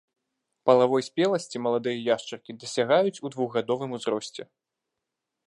Палавой спеласці маладыя яшчаркі дасягаюць у двухгадовым узросце.